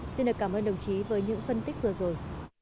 xin được cảm ơn đồng chí với những phân tích vừa rồi